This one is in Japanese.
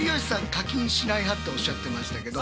課金しない派っておっしゃってましたけど